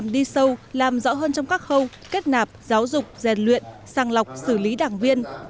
đi sâu làm rõ hơn trong các khâu kết nạp giáo dục rèn luyện sàng lọc xử lý đảng viên